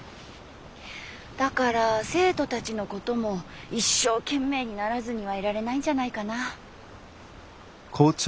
だから生徒たちのことも一生懸命にならずにはいられないんじゃないかな。